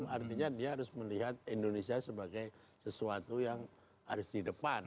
artinya dia harus melihat indonesia sebagai sesuatu yang harus di depan